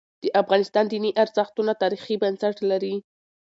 د افغانستان دیني ارزښتونه تاریخي بنسټ لري.